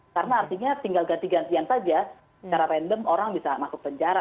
karena artinya tinggal ganti gantian saja secara random orang bisa masuk penjara